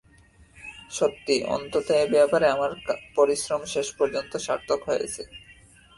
সত্যি, অন্তত এ ব্যাপারে আমার পরিশ্রম শেষপর্যন্ত সার্থক হয়েছে।